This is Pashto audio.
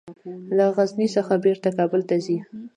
له غزني څخه بیرته کابل ته ځي.